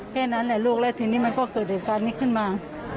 แค่นั้นแหละลูกแล้วทีนี้มันก็เกิดเหตุการณ์นี้ขึ้นมา